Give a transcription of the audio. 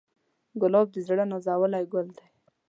ګلاب د زړه نازولی ګل دی.